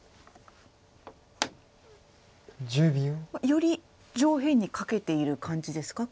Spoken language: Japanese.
より上辺にかけている感じですか